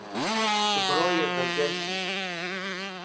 Tu birayê dilgeş î.